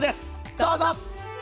どうぞ！